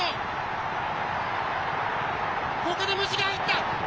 ここでが入った。